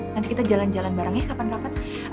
nanti kita jalan jalan bareng ya kapan kapan